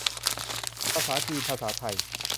ภาษาจีน ภาษาไทย